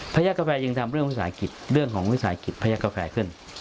ย่ากาแฟยังทำเรื่องวิสาหกิจเรื่องของวิสาหกิจพญากาแฟขึ้น